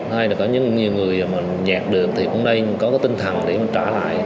hay là có những người mà nhạt được thì cũng đây có cái tinh thần để mà trả lại